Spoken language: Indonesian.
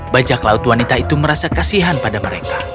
bajak laut wanita itu merasa kasihan pada mereka